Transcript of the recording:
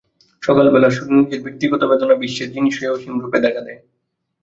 সকালবেলাকার সুরে নিজের ব্যক্তিগত বেদনা বিশ্বের জিনিস হয়ে অসীমরূপে দেখা দেয়।